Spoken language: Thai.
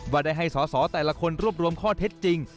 ว่าได้ให้สอสอแต่ละคนรวบรวมข้อเท็จจริง